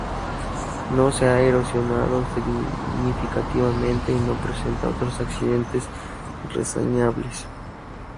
No se ha erosionado significativamente, y no presenta otros accidentes reseñables.